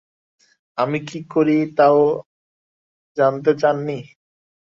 আমি কী করি তাও জানতে চান নি।